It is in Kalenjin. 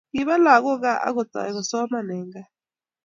Kipa lakok gaa akotoi kusoman eng gaaa